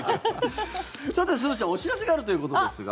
さて、すずちゃんお知らせがあるということですが。